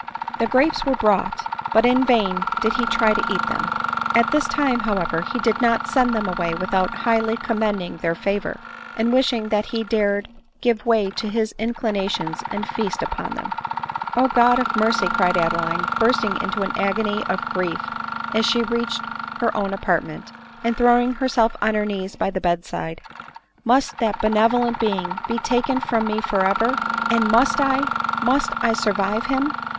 The grapes were brought ; but in vain did he try to eat them. At this time, however, he did not send them away without highly commending their flavor, and wish ing that he dared give way to his inclinations and feast upon them. " O God of mercy !" cried Adeline, bursting into an agony of grief as she reached her own apartment, and throwing herself on her knees by the bed side, " Must % ADELINE MOWBRAY. 109 that benevolent being be taken from me for ever, and fnust I, must I survive him